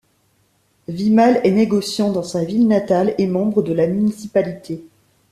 Vimal est négociant dans sa ville natale et membre de la municipalité.